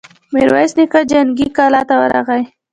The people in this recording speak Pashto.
ميرويس نيکه جنګي کلا ته ورغی.